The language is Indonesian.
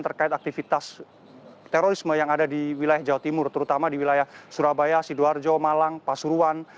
terkait aktivitas terorisme yang ada di wilayah jawa timur terutama di wilayah surabaya sidoarjo malang pasuruan